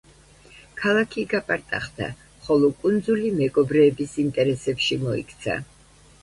ქალაქი გაპარტახდა, ხოლო კუნძული მეკობრეების ინტერესებში მოიქცა.